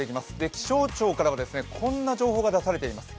気象庁からはこんな情報が出されています。